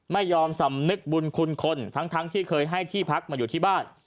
ไม่ยอมสำนึกบุญคุณคนทั้งที่เคยให้ที่พักมาอยู่ที่บ้าน